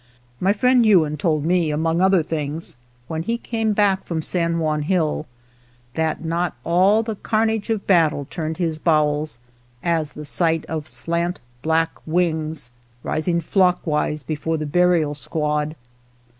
My friend Ewan told me, among other things, when he came back from San Juan Hill, that not all the carnage of battle turned his bowels as the sight of slant black wings rising flockwise before the burial squad.